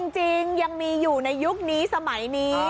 จริงยังมีอยู่ในยุคนี้สมัยนี้